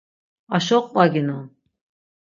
Aşo qvaginon.